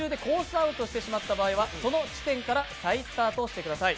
アウトしてしまった場合はその地点から再スタートしてください。